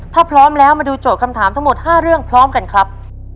ถ้าพร้อมแล้วมาดูโจทย์คำถามทั้งหมด๕เรื่องพร้อมกันครับ